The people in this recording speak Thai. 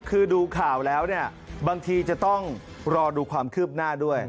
คือดูข่าวแล้วเนี่ยบางทีจะต้องรอดูความคืบหน้าด้วย